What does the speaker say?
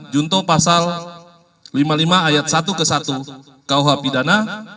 junto pasal lima puluh lima ayat satu ke satu kuh pidana